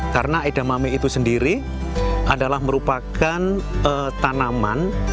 karena edamame itu sendiri adalah merupakan tanaman